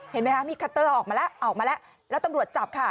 เห็นไหมมีดคัตเตอร์ออกมาแล้วแล้วตำรวจจับค่ะ